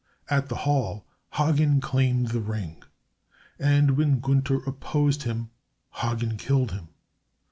At the hall Hagen claimed the Ring, and when Gunther opposed him, Hagen killed him.